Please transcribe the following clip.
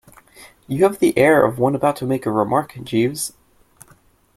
You have the air of one about to make a remark, Jeeves.